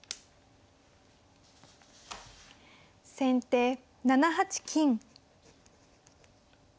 先手７八金。